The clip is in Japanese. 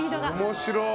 面白い！